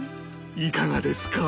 いかがですか？